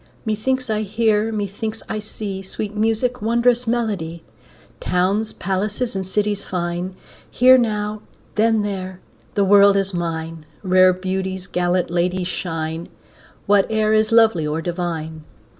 Methinks I hear, methinks I see, Sweet music, wondrous melody, Towns, palaces, and cities fine; Here now, then there; the world is mine, Rare beauties, gallant ladies shine, Whate'er is lovely or divine.